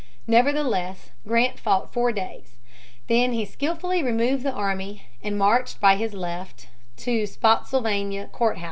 Nevertheless Grant fought four days. Then he skillfully removed the army and marched by his left to Spotsylvania Court House.